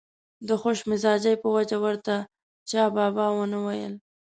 د خوش مزاجۍ په وجه ورته چا بابا نه ویل.